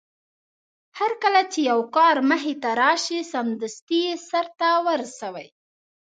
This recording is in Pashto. هرکله چې يو کار مخې ته راشي سمدستي يې سرته ورسوي.